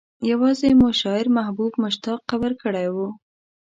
يوازې مو شاعر محبوب مشتاق خبر کړی و.